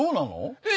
えっ？